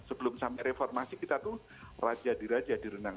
sebelum sampe reformasi kita tuh raja diraja di renang